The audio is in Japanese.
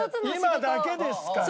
今だけですから。